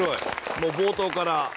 もう冒頭からねえ